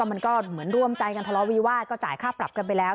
มันก็เหมือนร่วมใจกันทะเลาวิวาสก็จ่ายค่าปรับกันไปแล้ว